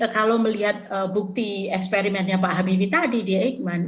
kalau melihat bukti eksperimennya pak habibie tadi di eijkman